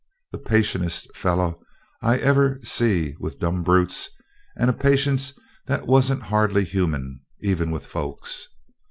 The patientest feller I ever see with dumb brutes, and a patience that wasn't hardly human, even with folks.